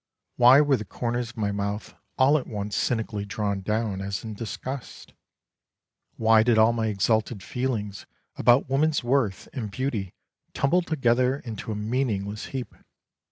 Why were the corners of my mouth all at once cynically drawn down as in disgust? Why did all my exalted feelings about woman's worth and beauty tumble together into a meaningless heap?